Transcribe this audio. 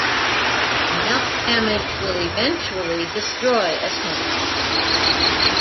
Enough damage will eventually destroy a tank.